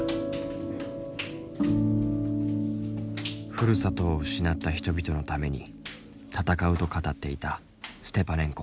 ふるさとを失った人々のために戦うと語っていたステパネンコ。